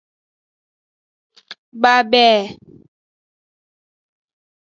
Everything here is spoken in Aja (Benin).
Babe.